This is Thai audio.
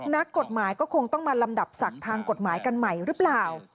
นักกฎหมายก็คงต้องมาลำดับศักดิ์ทางกฎหมายกันใหม่หรือเปล่า